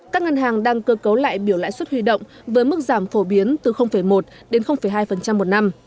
các ngân hàng đang cơ cấu lại biểu lãi suất huy động với mức giảm phổ biến từ một đến hai một năm